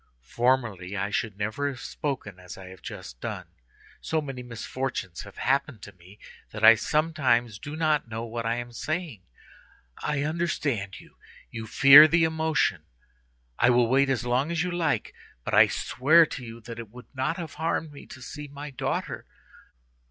Formerly I should never have spoken as I have just done; so many misfortunes have happened to me, that I sometimes do not know what I am saying. I understand you; you fear the emotion. I will wait as long as you like, but I swear to you that it would not have harmed me to see my daughter.